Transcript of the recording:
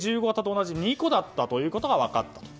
型と同じ２個だったということが分かった。